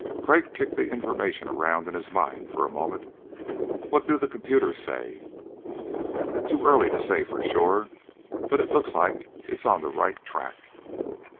Crag kicked the information around in his mind for a moment. "What do the computers say?" "Too early to say for sure, but it looks like it's on the right track."